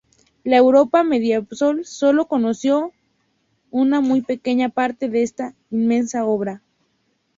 La Europa medieval solo conoció una muy pequeña parte de esta inmensa obra.